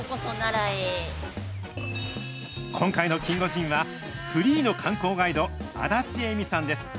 今回のキンゴジンはフリーの観光ガイド、安達えみさんです。